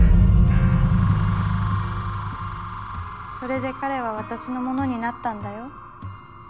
それで彼は私のものになったんだよ。